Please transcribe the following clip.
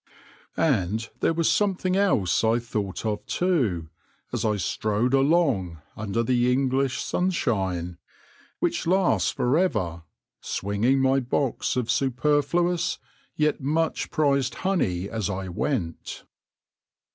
And there was something else I thought of, too, as I strode along under the English sunshine which lasts for ever, swinging my box of superfluous, yet much prized honey as I went.